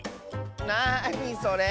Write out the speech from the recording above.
なにそれ！